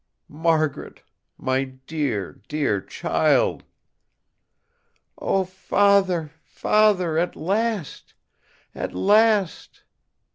Margaret! My dear, dear child!" "O Father, Father! At last! At last!"